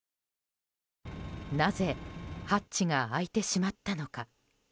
なぜ、ハッチが開いてしまったのか。